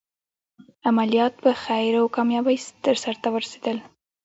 عملیات په خیر او کامیابۍ سرته ورسېدل.